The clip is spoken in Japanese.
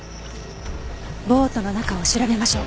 ボートの中を調べましょう。